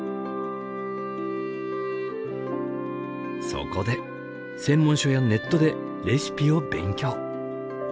そこで専門書やネットでレシピを勉強。